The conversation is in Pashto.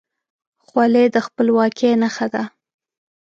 خولۍ د خپلواکۍ نښه ده.